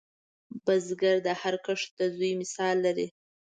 بزګر ته هر کښت د زوی مثال لري